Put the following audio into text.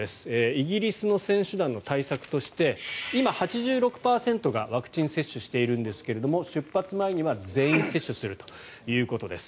イギリスの選手団の対策として今、８６％がワクチン接種しているんですが出発前には全員接種するということです。